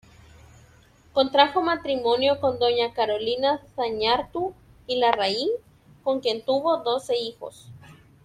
Contrajo matrimonio con doña Carolina Zañartu y Larraín, con quien tuvo doce hijos.